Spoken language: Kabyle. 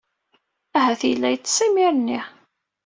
Ahat yella yeṭṭes imir-nni.